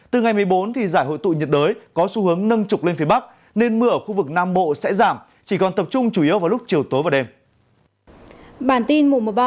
từ ngày một mươi bốn giải hội tụ nhiệt đới có xu hướng nâng trục lên phía bắc nên mưa ở khu vực nam bộ sẽ giảm chỉ còn tập trung chủ yếu vào lúc chiều tối và đêm